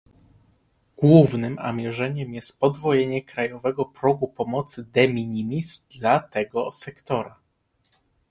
Głównym a mierzeniem jest podwojenie krajowego progu pomocy de minimis dla tego sektora